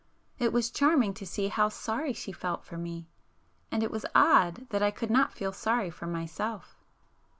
It was charming to see how sorry she felt for me,—and it was odd that I could not feel sorry for myself.